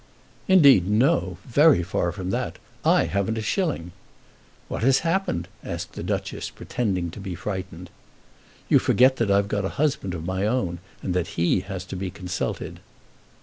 "Indeed, no; very far from that. I haven't a shilling." "What has happened?" asked the Duchess, pretending to be frightened. "You forget that I've got a husband of my own, and that he has to be consulted."